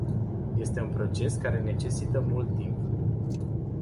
Este un proces care necesită mult timp.